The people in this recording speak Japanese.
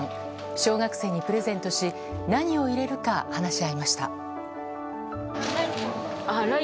小学生にプレゼントし何を入れるか話し合いました。